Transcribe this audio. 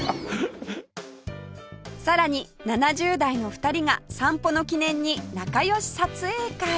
さらに７０代の２人が散歩の記念に仲良し撮影会